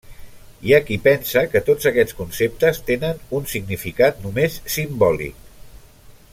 Hi ha qui pensa que tots aquests conceptes tenen un significat només simbòlic.